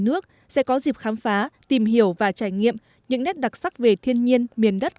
nước sẽ có dịp khám phá tìm hiểu và trải nghiệm những nét đặc sắc về thiên nhiên miền đất